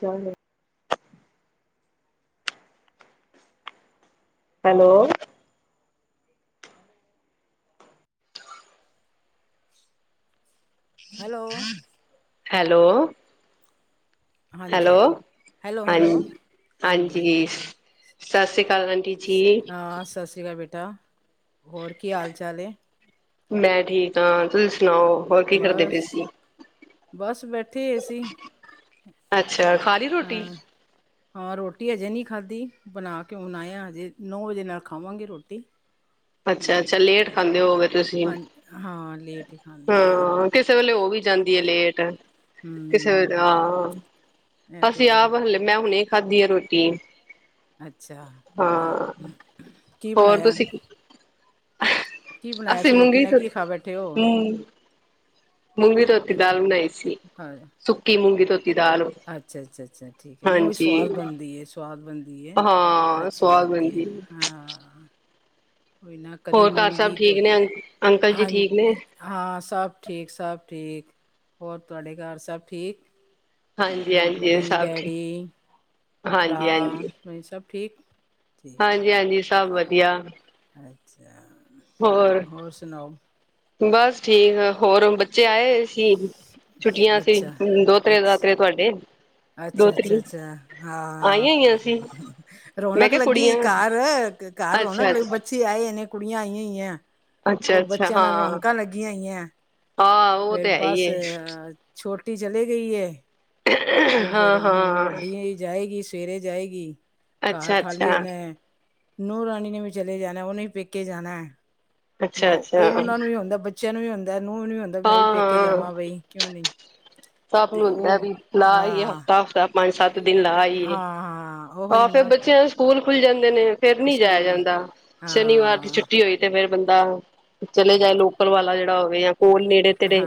ਜ [inaudible] hello. Hello hello hello ਹਾਂਜੀ hello hello ਹਾਂਜੀ ਹਾਂਜੀ ਸਤਿ ਸ਼੍ਰੀ ਅਕਾਲ ਆੰਟੀ ਜੀ। ਹਾਂ ਸਤਿ ਸ੍ਰੀ ਕਾਲ ਬੇਟਾ ਹੋਰ ਕੀ ਹਾਲ-ਚਾਲ ਏ? ਮੈਂ ਠੀਕ ਆ ਤੁਸੀ ਸੁਣਾਓ? ਹੋਰ ਕੀ ਕਰਦੇ ਬਸ ਪਏ ਸੀ? ਬਸ ਬੈਠੇ ਹੋਏ ਸੀ। ਅੱਛਾ ਖਾ ਲੀ ਰੋਟੀ? ਹਾਂ ਹਾਂ ਰੋਟੀ ਅਜੇ ਨਹੀਂ ਖਾਦੀ ਬਣਾ ਕੇ ਹੁਣ ਆਏ ਹਾਂ ਅੱਜੇ ‌ਨੌ ਵਜੇ ਨਾਲ ਖਾਵਾਂਗੇ ਰੋਟੀ। ਅੱਛਾ-ਅੱਛਾ ਲੇਟ ਖਾਂਦੇ ਹੋਵੋਗੇ ਤੁਸੀਂ ਹਾਂ ਹਾਂ ਲੇਟ ਹੀ ਖਾਂਦੇ ਹਾਂ ਕਿਸੇ ਵੇਲੇ ਉਹ ਵੀ ਜਾਂਦੀ ਏ ਲੇਟ ਕਿਸੇ ਹਮ ਵੇਲੇ ਹਾਂ ਇਹ ਅਸੀਂ ਤੇ ਹੈ ਆਪ ਹਲੇ ਮੈਂ ਹੁਣੇ ਖਾਦੀ ਏ ਰੋਟੀ। ਅੱਛਾ। ਹਾਂ, ਕੀ ਹੋਰ ਬਣਾਇਆ ਤੁਸੀਂ ਕੀ ਬਣਾਇਆ ਅਸੀਂ ਸੀ ਰੋਟੀ ਮੂੰਗੀ ਨਾਲ ਧੋ ਕੀ ਖਾ ਬੈਠੇ ਓ? ਹੂੰ, ਮੂੰਗੀ ਧੋਤੀ ਦਾਲ ਬਣਾਈ ਸੀ। ਸੁੱਕੀ ਮੂੰਗੀ ਧੋਤੀ ਦਾਲ, ਅੱਛਾ-ਅੱਛਾ-ਅੱਛਾ ਠੀਕ ਹੈ ਨਹੀਂ ਉਹਵੀ ਹਾਂਜੀ। ਸਵਾਦ ਬਣਦੀ ਏ ਸਵਾਦ ਬਣਦੀ ਏ ਅ ਹਾਂ ਛੀ ਸਵਾਦ ਲੱਗਦੀ ਏ ਬਣਦੀ ਹਾਂ। ਕੋਈ ਨਾ ਕਦੀ ਹੋਰ ਘਰ ਸਭ ਮੂੰਗੀ ਠੀਕ ਨੇ ਅੰ ਧੋਤੀ ਅੰਕਲ ਜੀ ਹਾਂਜੀ ਠੀਕ ਨੇ? ਹਾਂ ਸਭ ਠੀਕ, ਸਭ ਠੀਕ ਹੋਰ ਤੁਹਾਡੇ ਘਰ ਸਭ ਠੀਕ? ਹਾਂਜੀ-ਹਾਂਜੀ ਮੰਮੀ, ਸਭ ਠੀਕ ਡੈਡੀ, ਭਰਾ ਹਾਂਜੀ-ਹਾਂਜੀ, ਸਭ ਠੀਕ? ਠੀਕ ਹਾਂਜੀ ਹਾਂਜੀ ਸਭ ਵਧੀਆ। ਅੱਛਾ ਹੋਰ ਸੁਣਾਓ। ਬਸ ਠੀਕ ਹੋਰ ਜੇ ਆਏ ਹੋਏ ਸੀ ਛੁੱਟੀਆਂ ਸੀ ਅੱਛਾ ਦੋਤਰੇ ਅੱਛਾ ਦਾਤਰੇ ਤੁਹਾਡੇ ਅੱਛਾ ਅੱਛਾ ਦੋਤਰੀ ਅੱਛਾ ਹਾਂ ਆਈਆਂ ਹੋਈਆਂ ਸੀ ਮੈਂ ਰੌਣਕ ਕਿਹਾ ਲੱਗੀ ਕੁੜੀਆਂ ਘਰ ਘਰ ਰੌਣਕ ਲਗੀ ਅੱਛਾ-ਅੱਛਾ, ਬੱਚਿਆਂ ਜੀ ਆਏ ਨੇ ਕੁੜੀਆਂ ਆਈਆਂ ਹੋਈਆਂ ਉਹ ਅੱਛਾ-ਅੱਛਾ ਬੱਚਿਆਂ ਨਾਲ ਹਾਂ। ਰੌਣਕਾਂ ਲੱਗੀਆਂ ਹੋਈਆਂ। ਹਾਂ ਉਹ ਫਿਰ ਤੇ ਹੈ ਹੀ ਬਸ ਹੈ ਛੋਟੀ ਚਲੀ ਗਈ ਏ ਉਹ ਫਿਰ ਹੁਣ ਹਾਂ-ਹਾਂ। ਵੱਡੀ ਹੀ ਜਾਏਗੀ ਸਵੇਰੇ ਜਾਏਗੀ। ਕਾਰ ਖਾਲੀ ਅੱਛਾ-ਅੱਛਾ, ਹੋਣੇ ਨੂਹਰਾਣੀ ਨੇ ਵੀ ਚਲੇ ਜਾਣਾ ਉਹਨੇ ਵੀ ਪੇਕੇ ਜਾਣਾ। ਲਓ ਅੱਛਾ-ਅੱਛਾ ਉਹਨਾਂ ਨੂੰ ਵੀ ਆਉਂਦੇ ਬੱਚਿਆਂ ਨੂੰ ਵੀ ਆਉਂਦੇ ਨੂੰ ਵੀ ਆਉਂਦੇ ਮੈਂ ਵੀ ਪੇਕੇ ਹਾਂ-ਹਾਂ ਜਾਵਾਂ ਬਈ ਕਿਉਂ ਨਹੀਂ। ਸਭ ਤੇ ਨੂੰ ਹੁੰਦਾ ਉਹ ਵੀ ਲਾਈਏ ਹਾਂ ਹਫਤਾ ਹਫਤਾ ਪੰਜ ਸੱਤ ਦਿਨ ਲਾ ਆਈਏ। ਹਾਂ ਉਹੀ ਆ ਫਿਰ ਨਾ ਬੱਚਿਆਂ ਦੇ ਸਕੂਲ ਖੁੱਲ ਜਾਂਦੇ ਨੇ ਫਿਰ ਨਹੀਂ ਜਾਇਆ ਸਕੂਲ ਜਾਂਦਾ ਸ਼ਨੀਵਾਰ ਦੀ ਹਾਂ ਛੁੱਟੀ ਹੋਈ। ਤੇ ਫਿਰ ਬੰਦਾ ਚਲੇ ਜਾਏ ਲੋਕਲ ਵਾਲਾ ਜਿਹੜਾ ਹੋਵੇ ਯਾ ਕੋਲ ਨੇੜੇ ਤੇਰੇ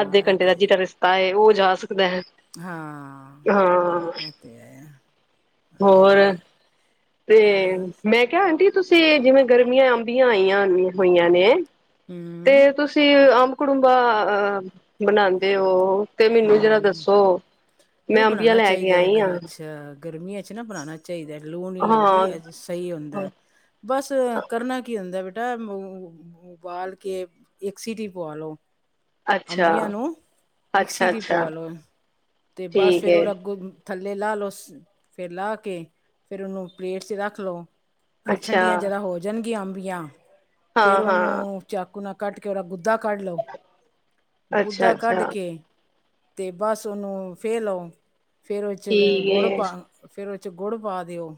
ਅੱਧੇ ਇਹ ਘੰਟੇ ਦਾ ਤੇ ਜਿਦਾ ਰਸਤਾ ਏ ਉਹ ਜਾ ਸਕਦਾ। ਹਾਂ ਹਾਂ ਐ ਤੇ ਹੈ। ਹੋਰ। ਤੇ ਬਸ ਮੈਂ ਕਿਹਾ ਆਂਟੀ ਤੁਸੀਂ ਜਿਵੇਂ ਗਰਮੀਆਂ ਅੰਬੀਆ ਆਈਆਂ ਹੋਈਆਂ ਨੇ। ਹਮ। ਤੇ ਤੁਸੀਂ ਅੰਬ ਕਰੂੰਬਆ ਅ ਬਣਾਉਂਦੇ ਹੋ। ਤੇ ਹਮ ਮੈਨੂੰ ਜਰਾ ਹਮ ਦੱਸੋ ਮੈਂ ਅੰਬੀਆ ਲੈ ਕੇ ਆਈ ਆਂ। ਗਰਮੀ ਚ ਨਾ ਬਣਾਣਾ ਚਾਹੀਦਾ ਲੂ ਨਹੀਂ ਲੱਗਦੀ ਹਾਂ ਸਹੀ ਹੁੰਦਾ। ਬਸ ਕਰਨਾ ਕੀ ਹੁੰਦਾ ਬੇਟਾ ਉਬਾਲ ਕੇ ਇਕ ਸੀਟੀ ਪਵਾ ਲੋ। ਅੱਛਾ। ਅੰਬੀਆਂ ਨੂੰ ਇੱਕ ਅੱਛਾ ਸੀਟੀ ਅੱਛਾ ਪਵਾ ਲਓ ਤੇ ਬਸ ਠੀਕ ਫੇਰ ਹੈ ਉਹ ਅੱਗੋਂ ਥੱਲੇ ਲਾ ਲਓ ਫਿਰ ਲਾ ਕੇ ਫਿਰ ਉਹਨੂੰ ਪਲੇਟ ਚ ਰੱਖ ਲੋ। ਫਿਰ ਅੱਛਾ ਠੰਡੀਆਂ ਜਦਾ ਹੋ ਜਾਣਗੀਆਂ ਅੰਬੀਆਂ ਫਿਰ ਹਾਂ ਹਾਂ ਉਹਨੂੰ ਚਾਕੂ ਨਾਲ ਕੱਟ ਕੇ ਓਦਾ ਗੁੱਦਾ ਕੱਢ ਲਓ ਅੱਛਾ ਗੁੱਦਾ ਕੱਢ ਅੱਛਾ ਕੇ ਤੇ ਬਸ ਉਹਨੂੰ ਫੇ ਲਹੋ ਫਿਰ ਉਦੇ ਚ ਠੀਕ ਗੁੜ ਹੈ ਪਾ ਫੇਿਰ ਉਦੇ ਚ ਗੁੜ ਪਾ ਦਿਓ।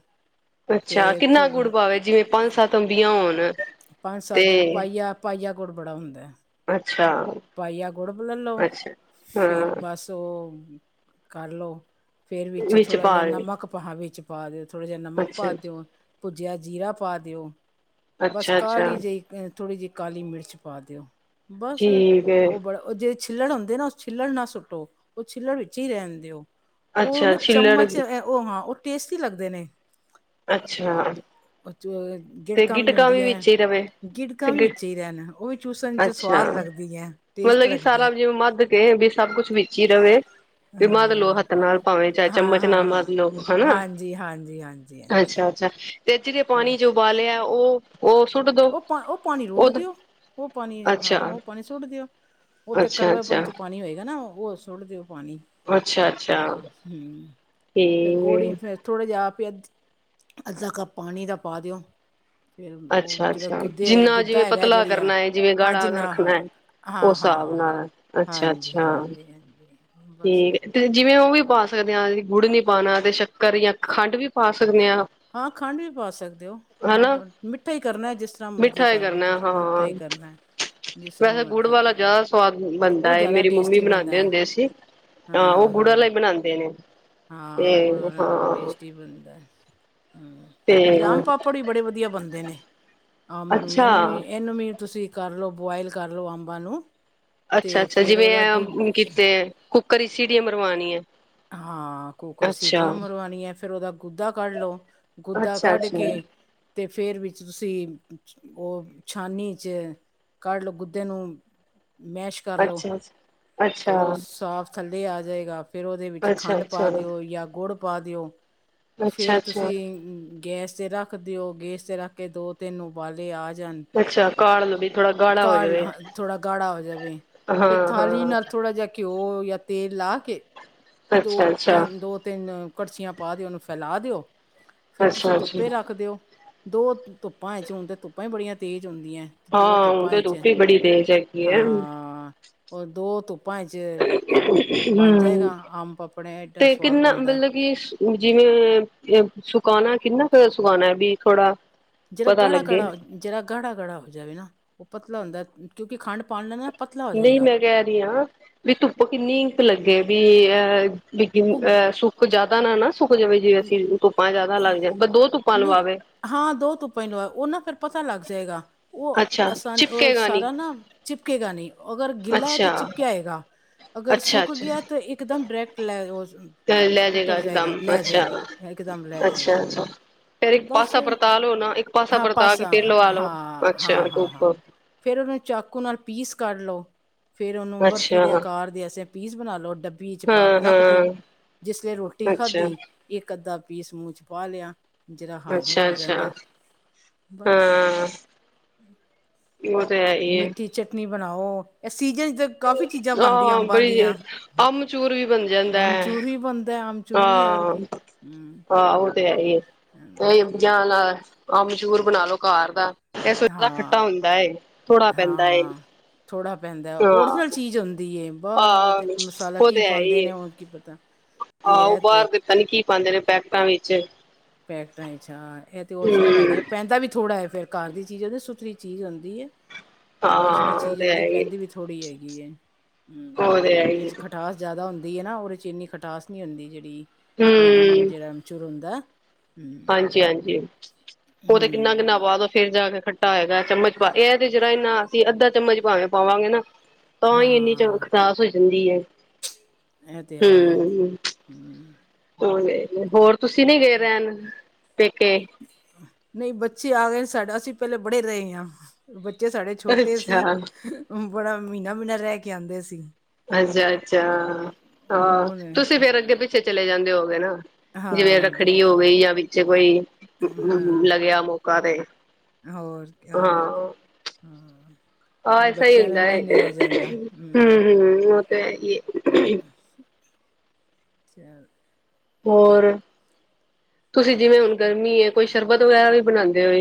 ਅਛਾ ਫੇਰ ਕਿੰਨਾ ਥੋ ਗੁੜ ਪਾਵੇ ਜਿਵੇ ਪੰਜ ਸੱਤ ਅੰਬੀਆਂ ਹੋਣ ਪੰਜ ਤੇ ਸੱਤ ਪਾਈਆ ਪਾਈਆ ਗੁੜ ਬੜਾ ਹੁੰਦਾ। ਅਛਾ। ਪਾਈਆ ਗੁੜਬ ਲੈ ਲਉ ਫੇਰ ਹਾਂ ਬਸ ਉਹ ਕਰ ਲੋ। ਫੇਰ ਵਿਚ ਵਿੱਚ ਥੋੜ੍ਹਾ ਜਿਹਾ ਪਾ ਲਵੇ ਨਮਕ ਪਾ ਵਿਚ ਦਿਓ ਥੋੜ੍ਹਾ ਜਿਹਾ ਨਮਕ ਅੱਛਾ ਪਾ ਦਿਓ। ਭੁਜਯਾ ਜੀਰਾ ਪਾ ਦਿਓ ਬਸ ਅੱਛਾ ਕਾਲੀ ਅੱਛਾ ਜਿਹੀ ਥੋੜ੍ਹੀ ਜਿਹੀ ਕਾਲੀ ਮਿਰਚ ਪਾ ਦਿਓ ਬਸ ਠੀਕ ਹੈ ਉਹ ਬੜਾ ਉਹ ਜੇੜੇ ਛਿੱਲੜ ਹੁੰਦੇ ਨਾ ਉਹ ਛਿੱਲੜ ਨਾ ਸੁੱਟੋ ਉਹ ਛਿੱਲੜ ਵਿਚ ਹੀ ਰਹਿਣ ਦਇਓ। ਉਹ ਅੱਛਾ ਨਾ ਛਿੱਲੜ ਚਮਚ ਉਹ ਹਾਂ ਉਹ ਟੇਸਟੀ ਲੱਗਦੇ ਨੇ ਅੱਛਾ ਤੇ ਗਿੜਕਾਂ ਵੀ ਗਿਟਕਾਂ ਹੁੰਦੀ ਹੈ। ਵਿੱਚ ਹੀ ਰਵੇ ਗਿੜਕਾਂ ਵੀ ਵਿਚੇ ਹੀ ਰਹਿਣ ਉਹ ਵੀ ਚੂਸਣ ਚ ਸਵਾਦ ਅੱਛਾ ਲੱਗਦੀ ਹੈ। ਟੇਸਟ ਮਤਲਬ ਕਿ ਲੱਗਦੀ ਸਾਰਾ ਜਿਵੇ ਮੱਧ ਕੇ ਵੀ ਸਭ ਕੁਛ ਵਿਚ ਹੀ ਰਹੇ ਵੀ ਮੱਧ ਲਓ ਹਾਂ, ਹੱਥ ਨਾਲ ਪਾਵੇਂ ਹਾਂ, ਹਾਂ, ਚਮਚ ਨਾਲ ਮੱਧ ਹਾਂ। ਲਓ ਹੈਨਾ ਹਾਂਜੀ, ਹਾਂਜੀ, ਹਾਂਜੀ, ਹਾਂਜੀ ਅਛਾ। ਅਛਾ ਤੇ ਜਿਦੇ ਹਾਂ ਪਾਣੀ ਚ ਉਬਾਲਿਆ ਉਹ ਉਹ ਸੁੱਟ ਦੋ ਉਹ ਪਾ ਉਹ ਪਾਣੀ ਰੋੜ ਉਦ ਦਿਓ ਉਹ ਪਾਣੀ ਹਾਂ ਅੱਛਾ, ਉਹ ਪਾਣੀ ਸੁੱਟ ਦਿਓ ਉਤੇ ਕਢਵਾਇਪਨ ਅੱਛਾ-ਅੱਛਾ, ਚ ਪਾਣੀ ਹੋਏਗਾ ਨਾ ਉਹ ਸੁੱਟ ਦਿਓ ਪਾਣੀ। ਅੱਛਾ-ਅੱਛਾ ਹਾਂ ਫੇਰ ਗੋੜੀ ਠੀਕ ਫਿਰ ਥੋੜ੍ਹਾ ਜਿਹਾ ਆਪ ਹੀ ਅੱਧਾ- ਅੱਧਾ ਕੱਪ ਪਾਣੀ ਦਾ ਪਾ ਦਿਓ। ਫਿਰ ਉਹ ਜਿਹੜਾ ਅੱਛਾ-ਅੱਛਾ ਗੁੱਦੇ ਜਿੰਨਾ ਗੁੱਦਾ ਜਿਵੇਂ ਹੈਗਾ ਪਤਲਾ ਜਿਹੜੀ ਆ ਕਰਨਾ ਹੈ ਜਿਵੇਂ ਹਾਂ ਗਾੜਾ ਜਿੰਨਾ ਹਾਂ। ਰੱਖਣਾ ਹੈ। ਹਾਂ ਉਸ ਹਾਂ ਹਿਸਾਬ ਹਾਂ, ਨਾਲ ਹਾਂਜੀ ਅੱਛਾ-ਅੱਛਾ ਹਾਂਜੀ ਹਾਂਜੀ। ਬਸ। ਜਿਵੇਂ ਉਹ ਵੀ ਪਾ ਸਕਦੇ ਆ। ਗੁੜ ਨਹੀਂ ਪਾਉਣਾ ਤੇ ਸ਼ ਸ਼ਕਰ ਜਾਂ ਖੰਡ ਵੀ ਪਾ ਸਕਦੇ ਹਾਂ। ਹਾਂ ਖੰਡ ਵੀ ਪਾ ਸਕਦੇ ਹੋ ਹਾਂ ਹਨਾ ਤੁ ਮਿੱਠਾ ਹੀ ਕਰਨਾ ਜਿਸ ਤਰ੍ਹਾਂ ਮਰਜ਼ੀ ਮਿੱਠਾ ਹੀ ਕਰ ਲਓ। ਕਰਨਾ ਤੁਸੀਂ ਮਿੱਠਾ ਹਾਂ ਹੀ ਕਰਨਾ। ਜਿਸ ਤਰ੍ਹਾਂ ਵੈਸੇ ਗੁੜ ਮਰਜ਼ੀ ਵਾਲਾ ਕਰ ਲਓ ਜ਼ਿਆਦਾ ਸਵਾਦ ਬਣਦਾ ਉਹ ਹੈ ਜ਼ਿਆਦਾ ਟੇਸਟੀ ਬਣਦਾ। ਹਾਂ ਆਹੋ ਹਾਂ ਗੁੜਾ ਹਾਂ ਵਾਲਾ ਹੀ ਬਣਾਉਂਦੇ ਨੇ। ਤੇ ਹਾਂ ਗੁੜ ਉਹ ਹਾਂ ਟੇਸਟੀ। ਬਣਦਾ ਹਮ ਤੇ ਇਹ ਆਮ ਪਾਪੜ ਵੀ ਬੜੇ ਵਧੀਆ ਬਣਦੇ ਨੇ। ਅੰਬ ਨੂੰ ਅੱਛਾ ਇਹਨੂੰ ਵੀ ਇਹਨੂੰ ਵੀ ਤੁਸੀ ਕਰ ਲਓ ਬੁਆਇਲ ਕਰ ਲਓ ਅੰਬਾਂ ਨੂੰ। ਅਛਾ- ਤੇ ਅਛਾ ਫੇਰ ਜਿਵੇ ਉਹਦਾ ਗੁ ਇਹ ਕੀਤੇ ਕੁੱਕਰ ਦੀ ਸੀੜੀ ਮਰਵਾਉਣੀ ਹੈ। ਹਾਂ ਕੁੱਕਰ ਵਿੱਚ ਅੱਛਾ ਸੀਟੀਆਂ ਮਰਵਾਣੀ ਹੈ। ਫੇਰ ਉਹਦਾ ਗੁੱਦਾ ਕੱਢ ਲਓ। ਗੁਦਾ ਅੱਛਾ ਕੱਢ ਅੱਛਾ ਕੇ। ਤੇ ਫੇਰ ਵੀ ਤੁਸੀ ਉਹ ਛਾਨਨੀ 'ਚ ਕੱਢ ਲਓ ਗੁੱਦੇ ਨੂੰ ਮੈਸ਼ ਕਰ ਲਓ ਅੱਛਾ ਅੱਛਾ ਫਿਰ ਉਹ ਅੱਛਾ ਸਾਫ। ਥੱਲੇ ਆ ਜਾਏਗਾ ਫਿਰ ਉਹਦੇ ਵਿਚ ਖੰਡ ਪਾ ਅੱਛਾ ਦਿਓ ਜਾਂ ਗੁੜ ਪਾ ਦਿਓ। ਅੱਛਾ ਫਿਰ ਤੁਸੀ ਅੱਛਾ ਗੈਸ 'ਤੇ ਰੱਖ ਦਿਓ ਗੈਸ 'ਤੇ ਰੱਖ ਕੇ ਦੋ ਤਿੰਨ ਉਬਾਲੇ ਆ ਜਾਂਣ। ਅੱਛਾ ਕਾਲ ਲੋ ਵੀ ਥੋੜਾ ਗਾੜਾ ਹੋ ਕਾੜ ਜਾਵੇ ਲਓ ਥੋੜਾ ਗਾੜਾ ਹੋ ਜਾਵੇ। ਹਾਂ ਫੇਰ ਥਾਲੀ ਹਾਂ ਨਾਲ ਥੋੜ੍ਹਾ ਜਿਹਾ ਘਿਓ ਜਾਂ ਤੇਲ ਲਾ ਕੇ। ਦੋ ਅੱਛਾ ਅੱਛਾ ਤਿੰਨ ਦੋ ਤਿੰਨ ਕੜਛੀਆਂ ਪਾ ਦਿਓ ਓਹਨੂੰ ਫੈਲਾ ਦਿਓ। ਫੇਰ ਤੁਸੀਂ ਅੱਛਾ ਅੱਛਾ ਧੁੱਪੇ ਰੱਖ ਦਿਓ ਦੋ ਧੁੱਪਾ ਚ ਹੁਣ ਤੇ ਧੁੱਪਾਂ ਹੀ ਬੜੀਆਂ ਤੇਜ਼ ਹੁੰਦੀਆਂ। ਦੋ ਹਾਂ ਉਹ ਧੁੱਪਾਂ ਤੇ ਚ ਧੁੱਪ ਹੀ ਬੜੀ ਤੇਜ਼ ਹੈਗੀ ਹੈ ਹਾਂ ਉਹ ਦੋ ਧੁਪਾ ਧੁੱਪਾਂ 'ਚ ਬਣ ਹਮ ਜਾਏਗਾ ਅਮ ਪਾਪੜ ਐਡਾ ਸਵਾਦ ਬਣਦਾ। ਹੁਣ ਜਿਵੇ ਸੁਕਾਣਾ ਕਿੰਨਾ ਕੁ ਸੁਕਾਣਾ ਵੀ ਥੋੜਾ। ਜਿਹੜਾ ਪਤਾ ਗਾੜਾ- ਲੱਗੇ ਗਾੜਾ ਜਿਹੜਾ ਗਾੜਾ ਹੋ ਜਾਵੇ ਨਾ ਉਹ ਪਤਲਾ ਹੁੰਦਾ ਕਿਉਕਿ ਖੰਡ ਪਾ ਲੈਣ ਨਾ। ਪਤਲਾ ਹੋ ਨਹੀਂ, ਜਾਏਗਾ ਮੈਂ ਕਹਿ ਰਹੀ ਹਾਂ, ਵੀ ਧੁੱਪ ਕਿੰਨੀ ਲੱਗੇ ਵੀ ਅ ਬ ਉਹ ਅਹ ਸੁੱਕ ਜਿਆਦਾ ਨਾ ਨਾ ਸੁੱਕ ਜਾਵੇ ਜੇ ਅਸੀਂ ਧੁੱਪਾ ਜਿਆਦਾ ਲੱਗ ਜਾਏ ਦੋ ਧੁੱਪਾ ਨਹੀਂ ਲਵਾਵੇ। ਹਾਂ ਦੋ ਧੁੱਪਾਂ ਹੀ ਲਵਾਓ ਫਿਰ ਪਤਾ ਲੱਗ ਜਾਏਗਾ। ਉਹ ਅੱਛਾ ਆਸਾਨ ਉਹ ਚਿਪਕੇਗਾ ਨੀ ਸਾਰਾ ਨਾ ਚਿਪਕੇਗਾ ਨਹੀ ਅਗਰ ਗਿੱਲਾ ਹੈ। ਤਾਂ ਅੱਛਾ ਚਿਪਕਿਆ ਆਏਗਾ ਅਗਰ ਅੱਛਾ ਸੁੂੱਕ ਗਿਆ ਅੱਛਾ ਤਾਂ ਇਕਦਮ ਡਾਇਰੇੈਕਟ ਲੈ ਲੈ ਉਤਰ ਜਾਏਗਾ ਇਕਦਮ ਲੈਹ ਅੱਛਾ ਜਾਏਗਾ। ਇਕਦਮ ਲੈਹ ਜਾਏਗਾ। ਅੱਛਾ ਅੱਛਾ ਫੇਰ ਫਿਰ ਇੱਕ ਬਸ ਪਾਸਾ ਪਰਤਾ ਲੋ ਨਾ ਇੱਕ ਪਾਸਾ ਹਾਂ ਪਰਤਾ ਪਾਸ ਕੇ ਹਾਂ ਫੇਰ ਲਵਾ ਲੋ ਹਾਂ ਅੱਛਾ ਹਾਂ ਹਾਂ। ਧੁੱਪ ਫੇਰ ਉਹਨੂੰ ਚਾਕੂ ਨਾਲ ਪੀਸ ਕੱਟ ਲਓ ਫੇਰ ਉਹਨੂੰ ਬਰਫ਼ੀ ਅੱਛਾ ਦੇ ਆਕਾਰ ਦੇ ਅਸੇ ਪੀਸ ਬਣਾ ਲਓ ਡੱਬੀ ਚ ਪਾ ਕੇ ਹਾਂ ਰੱਖ ਹਾਂ ਦਿਓ ਜਿਸ ਲੇ ਰੋਟੀ ਅੱਛਾ ਖਾਧੀ ਇੱਕ ਅੱਧਾ ਪੀਸ ਮੂੰਹ ਚ ਪਾ ਲਿਆ ਜਰਾ ਹਾਜ਼ਮਾ ਹੋ ਅੱਛਾ-ਅੱਛਾ ਜਾਂਦਾ ਬਸ। ਹਾਂ ਉਹ ਤੇ ਹੈ ਹੀ ਈਏ। ਮਿੱਠੀ ਚਟਨੀ ਬਣਾਓ ਇਹ ਸੀਜਨ ਕਾਫ਼ੀ ਚੀਜ਼ਾਂ ਬਣਦੀਆਂ ਹਾਂ ਅੰਬਾਂ ਬਈ ਦੀਆਂ ਆਮਚੂਰ ਵੀ ਬਣ ਜਾਂਦਾ ਹੈ। ਅਮਚੂਰ ਵੀ ਬਣਦਾ ਅਮਚੂਰ ਵੀ ਹੋਰ ਹਾਂ ਕੀ ਹਮ ਹਾਂ ਉਹ ਤੇ ਹੈ। ਜਾ ਨਾ ਅਮਚੂਰ ਬਣਾ ਲੋ ਘਰ ਦਾ ਇਹ ਦਾ ਖਟਾ ਹਾਂ ਹੁੰਦਾ ਥੋੜਾ। ਪੈਂਦਾ ਏ ਹਾਂ ਥੋੜਾ ਪੈਂਦਾ ਓਰੀਜਨਲ ਹਾਂ ਚੀਜ਼ ਹੁੰਦੀ ਏ। ਬਾਹਰ ਦੇ ਆਹ ਤੇ ਮਸਾਲਾ ਉਹ ਕੀ ਤੇ ਹੈ ਹੀ ਪਾਉਂਦੇ ਨੇ ਏ ਉਹ ਕੀ ਪਤਾ। ਤੇ ਆਹੋ ਉਹ ਇਹ ਬਾਹਰ ਤੇ ਪਤਾ ਨਹੀਂ ਕੀ ਪਾਉਂਦੇ ਨੇ ਪੈਕਟਾਂ ਵਿੱਚ। ਪੈਕਟਾ ਵਿੱਚ ਹਾਂ ਇਹ ਤੇ ਓਰਜਨਲ ਹੈ ਗਿਆ ਹਮ ਪੈਂਦਾ ਵੀ ਥੋੜਾ ਫੇਰ। ਘਰ ਦੀ ਚੀਜ਼ ਹੁੰਦੀ ਸੁਥਰੀ ਚੀਜ਼ ਹੁੰਦੀ ਹੈ ਓਰੀਜਨਲ ਹਾਂ ਉਹ ਚੀਜ਼ ਤੇ ਹੁੰਦੀ ਹੈ ਹੀ ਪੈਂਦੀ ਵੀ ਥੋੜੀ। ਥੋੜ੍ਹੀ ਹੈਗੀ ਏ ਹਮ ਉਹ ਤੇ ਹੈ ਇਹ ਹੀ ਚ ਖਟਾਸ। ਜ਼ਿਆਦਾ ਹੁੰਦੀ ਹੈ ਨਾ ਉਹਦੇ 'ਚ ਇੰਨੀ ਖਟਾਸ ਨਹੀਂ ਹੁੰਦੀ ਜਿਹੜੀ ਰੇਡੀਮੇਡ ਹਮ ਜਿਹੜਾ ਅਮਚੂਰ ਹੁੰਦਾ। ਹਮ ਹਾਂਜੀ ਹਾਂਜੀ ਉਹ ਤੇ ਕਿੰਨਾ ਹਮ ਕਿੰਨਾ ਬਾਅਦ ਫੇਰ ਜਾ ਕੇ ਖੱਟਾ ਹੋਏਗਾ ਚਮਚ ਪਾ ਇਹ ਤੇ ਜਰਾ ਜਿਨਾ ਅਸੀਂ ਅੱਧਾ ਚਮਚ ਭਾਵੇ ਪਾਵਾਂਗੇ ਨਾ ਤਾਂ ਹੀ ਇੰਨੀ ਚੌ ਹਾਂ ਖਟਾਸ ਹੋ ਜਾਂਦੀ ਹੈ। ਇ ਤੇੇ ਆਹੀਏ ਹੇ ਹੂੰ। ਹੋ ਹੋਰ ਤੁਸੀ ਨੀ ਗਏ ਰੈਣ ਪੇਕੇ ਨਹੀ ਬੱਚੇ ਆ ਗਏ ਸਾਡਾ ਅਸੀ ਪਹਿਲੇ ਬੜੇ ਰਹੇ ਹਾਂ ਬੱਚੇ ਸਾਡੇ ਛੋਟੇ ਅੱਛਾ ਸੀ ਬੜਾ ਮਹੀਨਾ ਮਹੀਨਾ ਰਹਿ ਕੇ ਆਂਦੇ ਸੀ। ਅੱਛਾ ਅੱਛਾ ਹਾਂ ਹੁਣ ਤੁਸੀਂ ਫੇਰ ਅੱਗੇ ਪਿੱਛੇ ਚਲੇ ਜਾਂਦੇ ਹੋ ਗਏ ਨਾ ਜਿਵੇਂ ਹਾਂ ਅੱਗੇ ਰੱਖੜੀ ਪਿੱਛੇ ਹੋ ਗਈ ਜਾਂ ਵਿੱਚ ਕੋਈ ਹਾਂ ਲੱਗਿਆ ਮੌ ਕ ਦੇ ਹੋਰ ਕਿਆ ਹਮ ਹਾਂ ਐਸਾ ਹੀ ਹੁੰਦਾ ਹੈ ਹੂੰ, ਹੂੰ ਉਹ ਤੇ ਹੈ। ਹੈ। ਹਮ ਚਲ ਹੋਰ ਤੁਸੀਂ ਜਿਵੇਂ ਹੁਣ ਗਰਮੀ ਹੈ ਕੋਈ ਸ਼ਰਬਤ ਵਗੈਰਾ ਵੀ ਬਣਾਉਂਦੇ ਹੋਏ।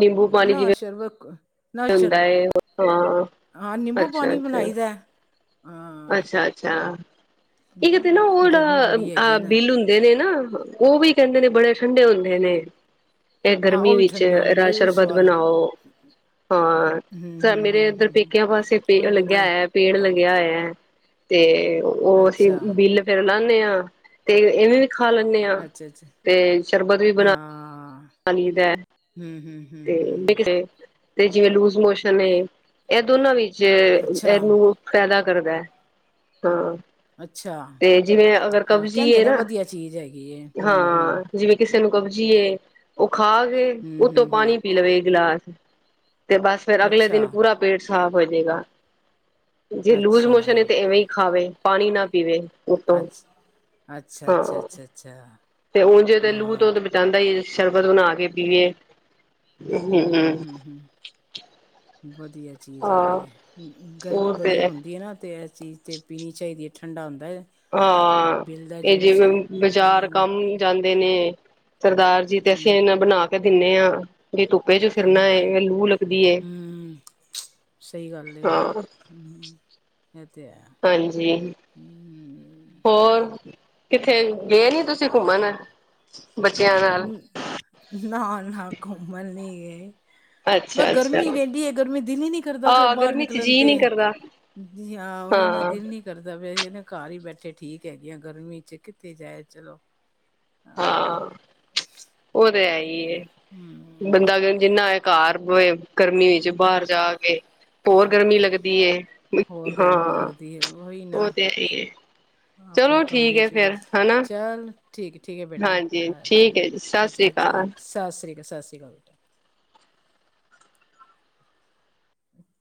ਨਿੰਬੂ ਪਾਣੀ ਨਾ ਜਿਵੇਂ ਸ਼ਰਬਕ ਹੁੰਦਾ ਨਸ਼ਲ ਹੈ ਹਾਂ ਹਾਂ ਨਿੰਮਬੂ ਅੱਛਾ ਪਾਣੀ ਅੱਛਾ ਬਣਾਈਦਾ। ਹਾਂ ਅੱਛਾ ਅੱਛਾ ਇਹ ਦੇ ਤੇ ਨਾ ਉਹਡ ਗਰਮੀ ਬੜੀ ਹੈਗੀ ਅ ਹੈ ਨਾ ਬਿਲ ਹੁੰਦੇ ਨੇ ਨਾ ਉਹ ਵੀ ਕਹਿੰਦੇ ਨੇ ਬੜੇ ਠੰਡੇ ਹੁੰਦੇ ਨੇ ਇਹ ਹਾਂ ਉਹ ਗਰਮੀ ਵੀ ਵਿੱਚ ਠੰਡੇ ਹੁੰਦੇ ਰਾਜ ਉਹ ਵੀ ਸ਼ਰਬਤ ਸਵਾਦ ਬਣਾਓ। ਹਮ ਹਾਂ ਹਮ ਮੇਰੇ ਹਮ ਇੱਧਰ ਹਮ ਹਮ ਪੇਕਿਆਂ ਪਾਸੇ ਪ ਉਹ ਵੀ ਲੱਗਿਆ ਵਧੀਆ ਹੋਇਆ ਪੇੜ ਲੱਗਿਆ ਹੋਇਆ। ਤੇ ਉਹ ਅਸੀਂ ਅੱਛਾ ਬਿੱਲ ਫਿਰ ਲਾਦੇ ਹਾਂ ਤੇ ਇਵੇਂ ਖਾ ਲੈਂਦੇ ਹਾਂ ਅੱਛਾ ਅੱਛਾ ਤੇ ਸ਼ਰਬਤ ਵੀ ਬਣਾ ਹਾਂ ਪਾਣੀਦ ਹੈ ਹੂੰ ਹੂੰ ਹੂੰ ਤੇ ਹੂੰ ਵਿਖਦੇ ਤੇ ਜਿਵੇਂ ਲੂਜ ਮੋਸ਼ਨ ਏ ਇਹ ਦੋਨਾਂ ਵਿੱਚ ਅੱਛਾ ਇਹਨੂੰ ਫੈਦਾ ਕਰਦਾ ਹੈ ਹਾਂ। ਅੱਛਾ ਤੇ ਜਿਵੇਂ ਅਗਰ ਹਾਂ ਕਬਜੀ ਕਹਿੰਦੇ ਏ ਨੇ ਨਾ ਵਧੀਆ ਚੀਜ਼ ਹੈਗੀ ਹੈ ਹਾਂ ਹੂੰ ਹੂੰ ਜਿਵੇਂ ਕਿਸੇ ਨੂੰ ਕਬਜੀ ਏ ਉਹ ਖਾ ਕੇ ਹੂੰ ਉਤੋਂ ਹੂੰ ਹੂੰ ਪਾਣੀ ਪੀ ਲਵੇ ਗਿਲਾਸ। ਤੇ ਬਸ ਫੇਰ ਅਗਲੇ ਅੱਛਾ ਦਿਨ ਪੂਰਾ ਪੇਟ ਸਾਫ਼ ਹੋ ਜਾਏਗਾ। ਜੇ ਲੂਜ਼ ਅੱਛਾ ਮੋਸ਼ਨ ਹੈ ਤੇ ਇਵੇਂ ਹੀ ਖਾਵੇ ਪਾਣੀ ਨਾ ਪੀਵੇ। ਉਤੋਂ ਅੱ ਅੱਛਾ, ਅੱਛਾ, ਹਾਂ ਅੱਛਾ, ਅੱਛਾ। ਤੇ ਉਝ ਤੇ ਲੂ ਹਾਂ ਤੋਂ ਤੇ ਬਚਾਦਾ ਈ ਏ ਸ਼ਰਬਤ ਬਨਾ ਕੇ ਪੀਏ। ਹੂੰ ਹੂੰ ਹੂੰ ਹੂੰ ਵਧੀਆ ਚੀਜ਼ ਹਾਂ ਹੈਗੀ ਹੈ ਗਰਮੀ ਹੋਰ ਬੜੀ ਤੇ ਹੁੰਦੀ ਹੈ ਨਾ ਤੇ ਇਸ ਚੀਜ਼ ਤੇ ਪੀਣੀ ਚਾਹੀਦੀ ਹੈ ਠੰਡਾ ਹੁੰਦਾ ਹੈ। ਹਾਂ ਬਿਲ ਦਾ ਇਹ ਜੂਸ ਜਿਵੇਂ ਬਾਜ਼ਾਰ ਠੰਡਾ ਕੰਮ ਜਾਂਦੇ ਨੇ ਸਰਦਾਰ ਜੀ ਤੇ ਅਸੀਂ ਹੂੰ ਇਹਨਾਂ ਬਣਾ ਕੇ ਦਿੰਨੇ ਆਂ ਇਹ ਧੁੱਪੇ ਚੋਂ ਫਿਰਨਾ ਲੂ ਲੱਗਦੀ ਹੈ। ਹਮ ਸਹੀ ਗੱਲ ਏ ਹਾਂ ਇਹ ਤੇ ਹੈ। ਹਾਂਜੀ ਹੂੰਮ ਹੋਰ ਕਿੱਥੇ ਗੇ ਨਹੀਂ ਤੁਸੀਂ ਘੁੰਮਣ ਬੱਚਿਆਂ ਨ ਨਾ, ਨਾਂ ਘੁੰਮਣ ਨੀ ਗਏ ਮੈਂ ਅੱਛਾ ਅੱਛਾ ਗਰਮੀ ਏਡੀ ਹੈ ਗਰਮੀ ਦਿਲ ਈ ਨਹੀਂ ਕਰਦਾ ਪਿਆ ਆਹ ਬਾਹਰ ਗਰਮੀ ਚ ਨਿਕਲਣ ਜੀਅ ਤੇ ਨੀ ਕਰਦਾ ਯਾ ਉਹੀ ਨਾ ਹਾਂ ਦਿਲ ਨੀ ਕਰਦਾ ਪਿਆ ਘਰ ਹੀ ਬੈਠੇ ਠੀਕ ਹੈਗੇ ਆਂ ਗਰਮੀ ਚ ਕਿੱਥੇ ਜਾਏ ਚਲੋ। ਹਾਂ ਹਾ ਉਹ ਤੇ ਹੈ ਈ ਏ ਹਮ ਬੰਦਾ ਕਹੇ ਜਿਨਾ ਘਰ ਬਏ ਗਰਮੀ ਚ ਬਾਹਰ ਜਾ ਕੇ ਹੋਰ ਗਰਮੀ ਹਾਂ ਲੱਗਦੀ ਹੈ ਹੋਰ ਗਰਮੀ ਹਾਂ ਲੱਗਦੀ ਹੈ ਉਹੀ ਨਾ ਉਹ ਤੇ ਹੈ ਈ ਏ ਚਲੋ ਆਪਣੇ ਠੀਕ ਕਮਰੇ ਹ ਚ ਫਿਰ ਬੈਠ ਹੈਨਾ ਚੱਲ ਠੀਕ ਠੀਕ ਹ ਬੇਟਾ ਸਤਿ ਅੱਛਾ ਸ੍ਰੀ ਅੱਛਾ ਅਕਾਲ ਸਤਿ ਸ਼੍ਰੀ ਅਕਾਲ ਸਤਿ ਸ਼੍ਰੀ ਅਕਾਲ ਬੇਟਾ। ਹਮ